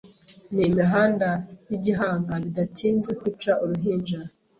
ni imihanda ya gihanga Bidatinze kwica uruhinja